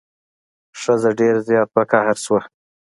ښځه ډیر زیات په قهر شوه.